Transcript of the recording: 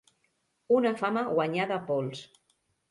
Una fama guanyada a pols.